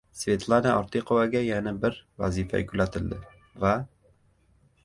Svetlana Ortiqovaga yana bir vazifa yuklatildi. Va...